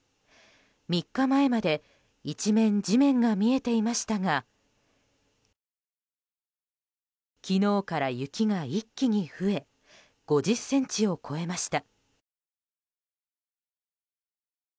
３日前まで一面地面が見えていましたが昨日から雪が一気に増え５０ｃｍを超えました。